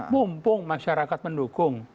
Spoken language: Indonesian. mumpung masyarakat mendukung